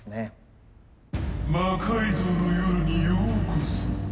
「魔改造の夜」にようこそ。